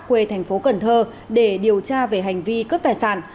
quê tp cn để điều tra về hành vi cướp tài sản